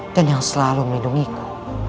dan yang selalu melindungiku